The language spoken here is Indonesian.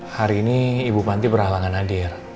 hari ini ibu panti berhalangan hadir